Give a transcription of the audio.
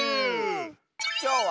きょうは。